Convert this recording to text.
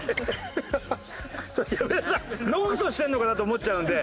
上田さん野グソしてんのかなと思っちゃうんで。